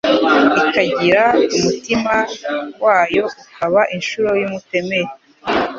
Ikagira umutima wayo ukaba inshuro y,umutemeri